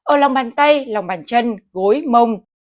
ở lòng bàn tay lòng bàn chân gối mông